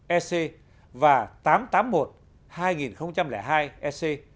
ec và tám trăm tám mươi một hai nghìn hai ec